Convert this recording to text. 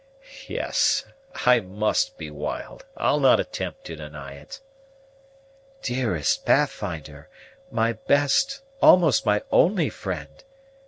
"Yes, I must be wild; I'll not attempt to deny it." "Dearest Pathfinder! my best, almost my only friend!